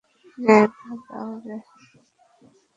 জায়গা দাও রে।